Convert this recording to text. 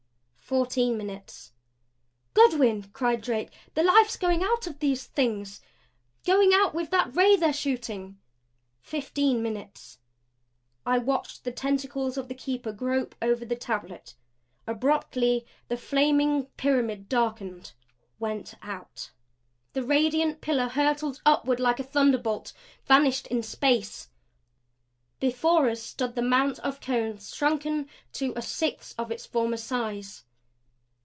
Fourteen minutes. "Goodwin," cried Drake, "the life's going out of these Things! Going out with that ray they're shooting." Fifteen minutes. I watched the tentacles of the Keeper grope over the tablet. Abruptly the flaming pyramid darkened WENT OUT. The radiant pillar hurtled upward like a thunder bolt; vanished in space. Before us stood the mount of cones, shrunken to a sixth of its former size.